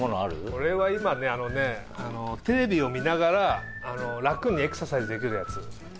俺は今ねテレビを見ながら楽にエクササイズできるやつ。